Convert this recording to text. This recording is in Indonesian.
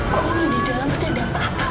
gak mungkin di dalam pasti ada apa apa